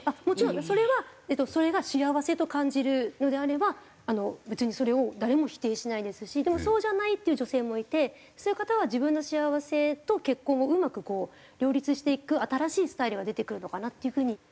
もちろんそれはそれが幸せと感じるのであれば別にそれを誰も否定しないですしでもそうじゃないっていう女性もいてそういう方は自分の幸せと結婚をうまくこう両立していく新しいスタイルが出てくるのかなっていう風に。